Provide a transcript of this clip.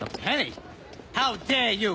はい？